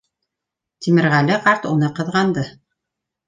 Тимерғәле ҡарт уны ҡыҙғанды.